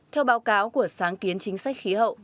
theo báo cáo của sáng kiến chính sách khí hậu